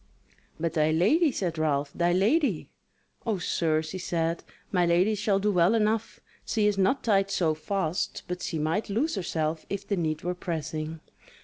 "But thy lady," said Ralph, "thy lady?" "O sir," she said; "My lady shall do well enough: she is not tied so fast, but she might loose herself if the need were pressing.